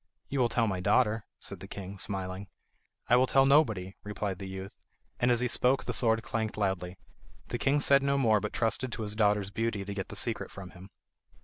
"You will tell my daughter," said the king, smiling. "I will tell nobody," replied the youth, and as he spoke the sword clanked loudly. The king said no more, but trusted to his daughter's beauty to get the secret from him.